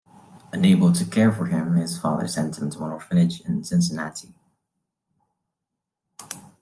Unable to care for him, his father sent him to an orphanage in Cincinnati.